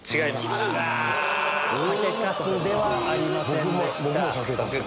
酒かすではありませんでした。